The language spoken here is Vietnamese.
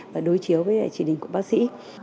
và đối chiếu với chỉ định của bác sĩ